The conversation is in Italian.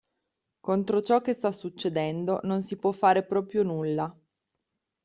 Contro ciò che sta succedendo non si può fare proprio nulla.